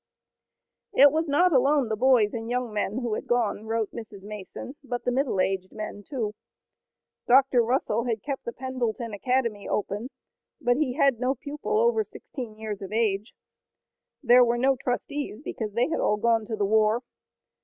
It was not alone the boys and young men who had gone, wrote Mrs. Mason, but the middle aged men, too. Dr. Russell had kept the Pendleton Academy open, but he had no pupil over sixteen years of age. There were no trustees, because they had all gone to the war.